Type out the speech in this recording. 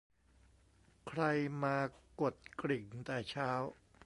ใครมากดกริ่งแต่เช้า